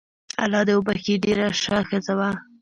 الله دي وبخښي ډیره شه ښځه وو